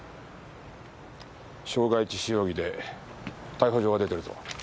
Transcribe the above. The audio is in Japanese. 傷害致死容疑で逮捕状が出てるぞ。